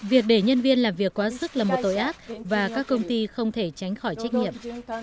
việc để nhân viên làm việc quá sức là một tội ác và các công ty không thể tránh khỏi trách nhiệm